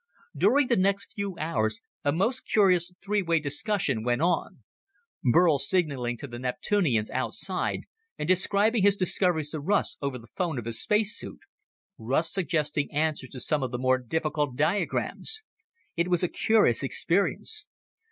During the next few hours, a most curious three way discussion went on Burl signaling to the Neptunians outside and describing his discoveries to Russ over the phone of his space suit; Russ suggesting answers to some of the more difficult diagrams. It was a curious experience.